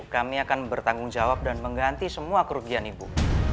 kami akan bertanggung jawab dan mengganti semua kerugian ibu